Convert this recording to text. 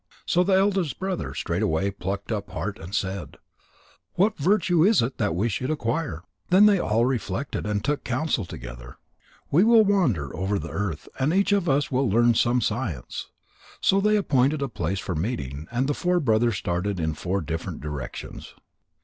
So the eldest brother straightway plucked up heart, and said: "What virtue is it which we should acquire?" Then they all reflected, and took counsel together: "We will wander over the earth, and each of us will learn some one science." So they appointed a place for meeting, and the four brothers started in four different directions.